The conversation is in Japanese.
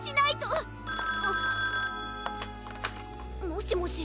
もしもし。